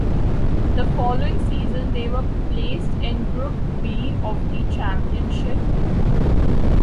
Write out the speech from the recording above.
The following season they were placed in Group B of the championship.